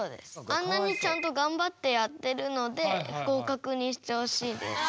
あんなにちゃんと頑張ってやってるので合かくにしてほしいです。